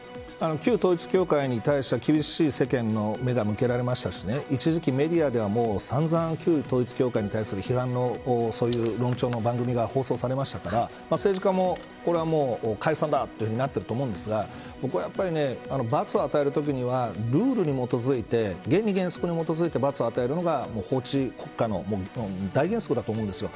旧統一教会に対しては、厳しい世間の目が向けられましたし一時期メディアではさんざん統一教会に対する批判の論調の番組が放送されましたから政治家も、これはもう解散だとなってると思うんですが僕はやっぱり罰を与えるときにはルールに基づいて原理原則に基づいて罰を与えるのが法治国家の大原則だと思うんです。